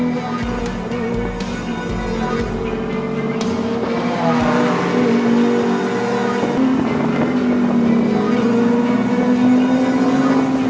lo yakin kita cabut